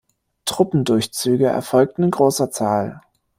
Truppendurchzüge erfolgten in großer Zahl.